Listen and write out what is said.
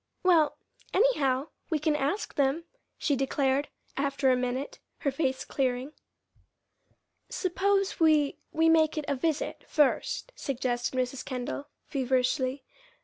"Well, anyhow, we can ask them," she declared, after a minute, her face clearing. "Suppose we we make it a visit, first," suggested Mrs. Kendall, feverishly.